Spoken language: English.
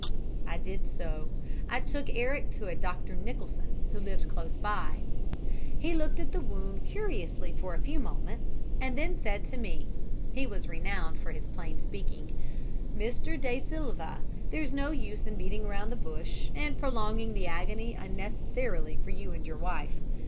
"I did so. I took Eric to a Dr. Nicholson, who lived close by. "He looked at the wound curiously for a few moments, and then said to me he was renowned for his plain speaking 'Mr. De Silva, there's no use beating about the bush, and prolonging the agony unnecessarily for you and your wife.